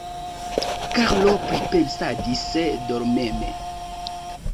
Karlo pripensadis dormeme.